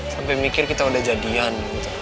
sampai mikir kita udah jadian